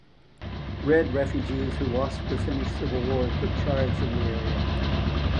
Red refugees who lost the Finnish Civil War took charge in the area.